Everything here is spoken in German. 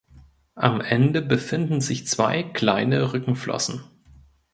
Am Ende befinden sich zwei kleine Rückenflossen.